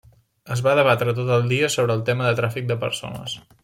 Es va debatre tot el dia sobre el tema del tràfic de persones.